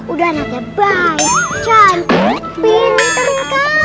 udah anaknya baik cantik pintar kalon